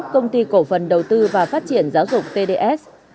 công ty cổ phần đầu tư và phát triển giáo dục pds